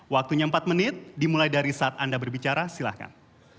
waktunya empat menit dimulai dari saat anda berbicara silahkan